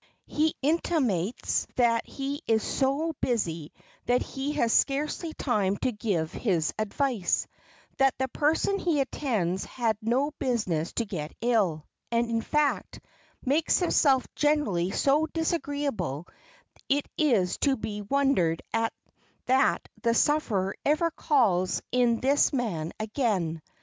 He intimates that he is so busy that he has scarcely time to give his advice; that the person he attends had no business to get ill, and, in fact, makes himself generally so disagreeable it is to be wondered at that the sufferer ever calls in this man again.